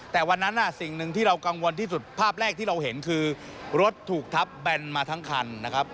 แต่วันนั้นสิ่งหนึ่งที่เรากังวลที่สุดภาพแรกที่เราเห็นคือรถถูกทับแบนมาทั้งคันนะครับ